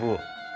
bukan itu ya